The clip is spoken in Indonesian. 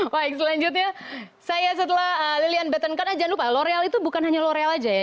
baik selanjutnya saya setelah lilian batten kan jangan lupa l'oreal itu bukan hanya l'oreal saja ya